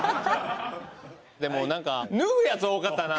でも何か脱ぐやつ多かったな。